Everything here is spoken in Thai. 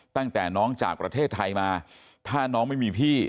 ตั้งแต่น้องจากประเทศไทยมาถ้าน้องไม่มีพี่